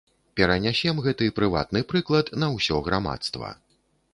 Перанясем гэты прыватны прыклад на ўсё грамадства.